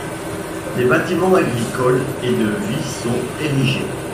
Des bâtiments agricoles et de vie sont érigés.